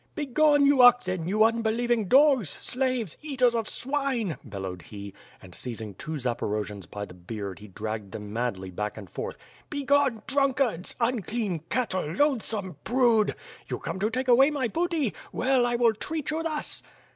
"Begone, you oxen, you unbelieving dogs, slaves, eaters of swine," bellowed he, and seizing two Zaporojians by the beard he dragged them madly back and forth. "Begone, drunkards, unclean cattle, loathsome brood! You come to take away my booty, well T will treat you thus!"